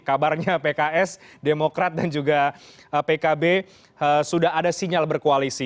kabarnya pks demokrat dan juga pkb sudah ada sinyal berkoalisi